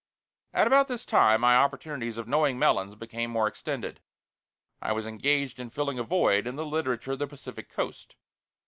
At about this time my opportunities of knowing Melons became more extended. I was engaged in filling a void in the Literature of the Pacific Coast.